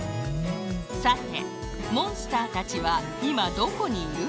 さてモンスターたちはいまどこにいる？